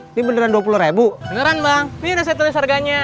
ini beneran dua puluh rebo ngeran bang pilih setelah harganya dua puluh